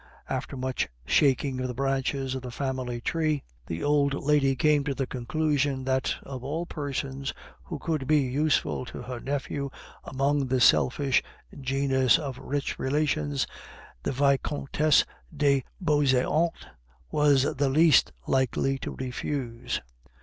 After much shaking of the branches of the family tree, the old lady came to the conclusion that of all persons who could be useful to her nephew among the selfish genus of rich relations, the Vicomtesse de Beauseant was the least likely to refuse.